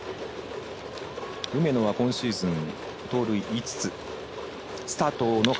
梅野は今シーズン盗塁５つ。